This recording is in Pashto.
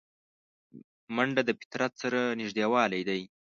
منډه د فطرت سره نږدېوالی دی